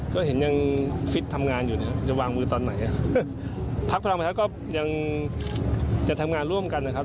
ก็เห็นยังฟิตทำงานอยู่เนี่ยจะวางมือตอนไหนพักพลังประชารัฐก็ยังจะทำงานร่วมกันนะครับ